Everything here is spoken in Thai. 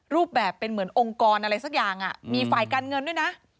รูปแบบเป็นเหมือนองค์กรอะไรสักอย่างมีฝ่ายการเงินด้วยนะ